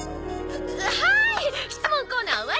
はーい質問コーナー終わり！